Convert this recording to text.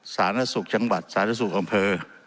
ศาลนักศึกษ์จังหวัดศาลนักศึกษ์กังเภอ